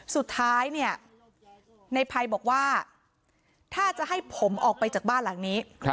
สุดท้ายเนี่ยในภัยบอกว่าถ้าจะให้ผมออกไปจากบ้านหลังนี้